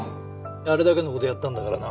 あれだけのことやったんだからな。